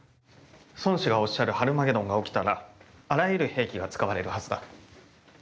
尊師がおっしゃるハルマゲドンが起きたらあらゆる兵器が使われるはずだ。